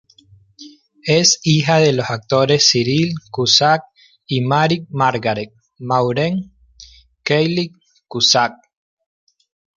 Es hija de los actores Cyril Cusack y Mary Margaret "Maureen" Kiely-Cusack.